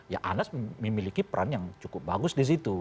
ya anas memiliki peran yang cukup bagus di situ